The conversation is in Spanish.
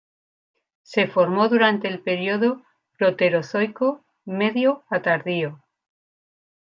Se formó durante el período Proterozoico medio a tardío.